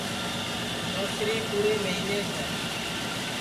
نوسری پُورے مہینس ہے